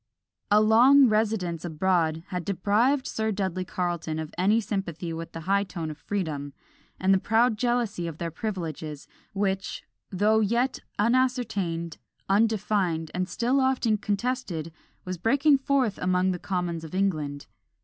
A long residence abroad had deprived Sir Dudley Carleton of any sympathy with the high tone of freedom, and the proud jealousy of their privileges, which, though yet unascertained, undefined, and still often contested, was breaking forth among the commons of England.